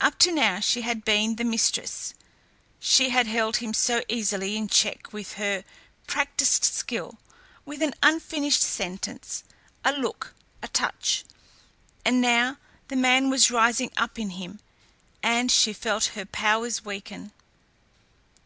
Up to now she had been the mistress, she had held him so easily in check with her practised skill, with an unfinished sentence, a look, a touch. And now the man was rising up in him, and she felt her powers weaken.